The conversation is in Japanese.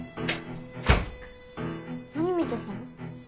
何見てたの？